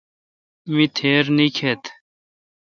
می تیر نیکیتھ۔